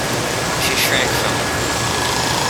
She shrank from it.